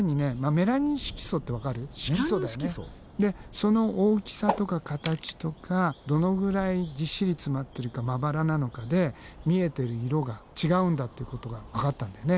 メラニン色素？でその大きさとか形とかどのぐらいぎっしり詰まってるかまばらなのかで見えてる色が違うんだってことがわかったんだよね。